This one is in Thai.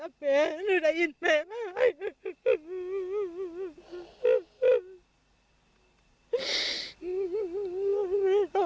แล้วก็ยัดลงถังสีฟ้าขนาด๒๐๐ลิตร